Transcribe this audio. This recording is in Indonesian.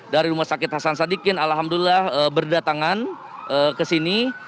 dari rumah sakit hasan sadikin alhamdulillah berdatangan ke sini